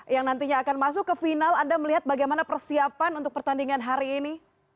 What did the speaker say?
yang nantinya akan masuk ke final anda melihat bagaimana persiapan untuk pertandingan hari ini